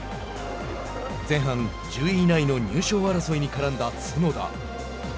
前半、１０位以内の入賞争いに絡んだ角田。